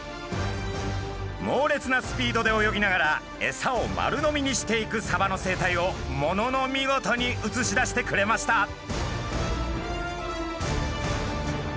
もうれつなスピードで泳ぎながらエサを丸飲みにしていくサバの生態をものの見事に写し出してくれました。